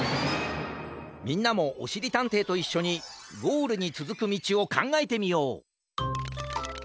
みんなもおしりたんていといっしょにゴールにつづくみちをかんがえてみよう！